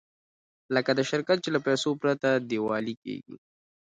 لکه د شرکت چې له پیسو پرته ډیوالي کېږي.